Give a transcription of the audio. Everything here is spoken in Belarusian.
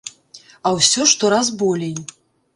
А ўсё штораз болей!